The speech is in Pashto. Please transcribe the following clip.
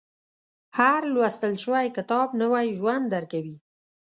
• هر لوستل شوی کتاب، نوی ژوند درکوي.